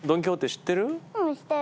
うん知ってる。